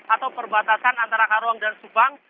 atau perbatasan antara karawang dan subang